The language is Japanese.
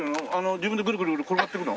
自分でグルグル転がってくの？